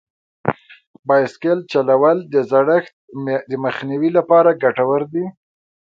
بایسکل چلول د زړښت د مخنیوي لپاره ګټور دي.